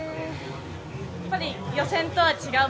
やっぱり予選とは違う